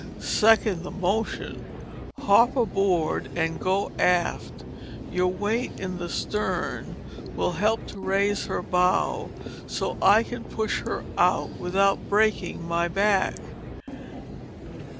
"Second the motion. Hop aboard and go aft. Your weight in the stern will help to raise her bow so I can push her out without breaking my back."